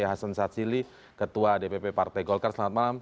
hasan satsili ketua dpp partai golkar selamat malam